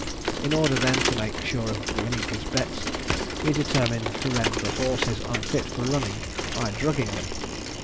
In order then to make sure of winning his bets, he determined to render the horses unfit for running, by drugging them.